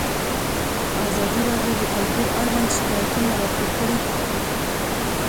ازادي راډیو د کلتور اړوند شکایتونه راپور کړي.